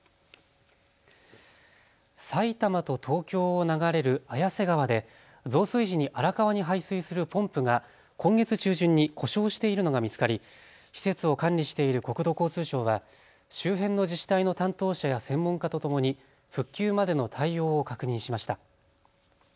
埼玉と東京を流れる綾瀬川で増水時に荒川に排水するポンプが今月中旬に故障しているのが見つかり施設を管理している国土交通省は周辺の自治体の担当者や専門家とともに復旧までの対応を確認しました。